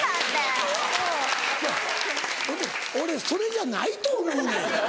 ほんで俺それじゃないと思うねん。